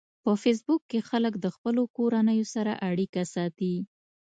په فېسبوک کې خلک د خپلو کورنیو سره اړیکه ساتي